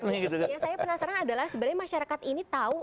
yang saya penasaran adalah sebenarnya masyarakat ini tahu